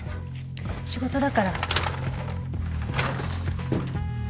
仕事だから。